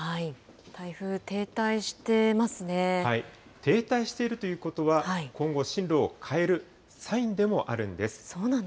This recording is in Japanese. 台風、停滞しているということは、今後、進路を変えるサインでもあるんです。